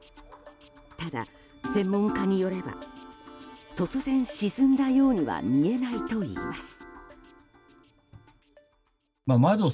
ただ、専門家によれば突然沈んだようには見えないといいます。